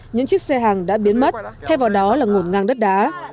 những chiếc xe hàng đã biến mất theo vào đó là ngủn ngang đất đá